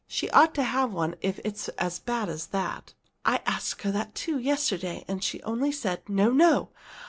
"She ought to have one if it's as bad as that." "I asked her that, too, yesterday, and she only said: 'No, no!